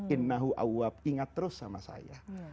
innahu awwab ingat terus sama saya